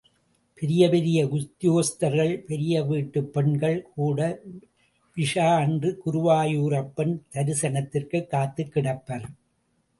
பெரிய பெரிய உத்தியோகஸ்தர்கள், பெரிய வீட்டுப் பெண்கள் கூட விஷு அன்று குருவாயூரப்பன் தரிசனத்திற்குக் காத்துக் கிடப்பர்.